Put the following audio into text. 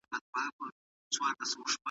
وطن په ټولو خلکو حق لري.